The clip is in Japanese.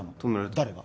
誰が？